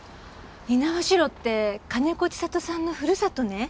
猪苗代って金子千里さんのふるさとね。